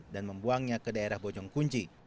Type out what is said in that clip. dan membuangnya ke daerah bocong kunci